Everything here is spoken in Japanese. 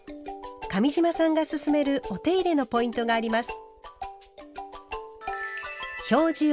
上島さんがすすめるお手入れのポイントがあります。